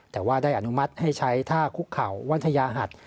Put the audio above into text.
แต่ว่าได้อนุมัติให้ใช้ท่าคุกเข่าวันทยาหัส